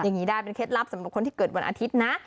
อย่างนี้ได้เป็นเคล็ดลับสำหรับคนที่เกิดวันอาทิตย์นะ